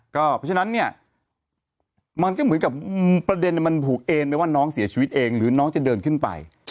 เพราะฉะนั้นเนี่ยมันก็เหมือนกับประเด็นมันผูกเอ็นไปว่าน้องเสียชีวิตเองหรือน้องจะเดินขึ้นไป